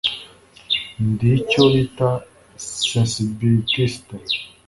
Ndi icyo bita sensibilitiste,